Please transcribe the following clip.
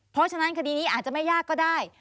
เพราะฉะนั้นคดีนี้อาจจะไม่ยากก็ได้